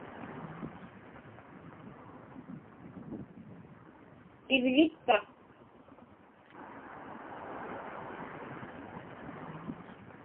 Ivġitpa?